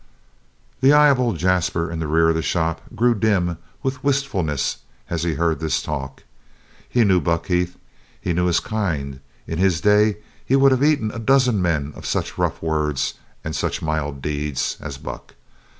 The eye of old Jasper in the rear of the shop grew dim with wistfulness as he heard this talk. He knew Buck Heath; he knew his kind; in his day he would have eaten a dozen men of such rough words and such mild deeds as Buck.